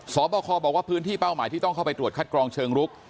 สอบคอบอกว่าพื้นที่เป้าหมายที่ต้องเข้าไปตรวจคัดกรองเชิงลุก